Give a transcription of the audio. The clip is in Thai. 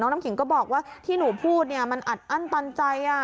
น้ำขิงก็บอกว่าที่หนูพูดเนี่ยมันอัดอั้นตันใจ